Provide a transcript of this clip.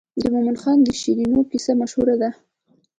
د مومن خان او شیرینو کیسه مشهوره ده.